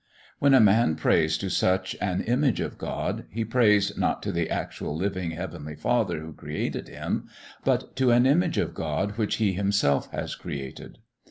When a man prays to such an image of God, he prays not to the actual living Heavenly Father who created him, but to an image of God which he himself has created.